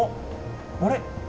あれ？